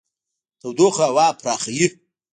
تودوخه هوا پراخوي.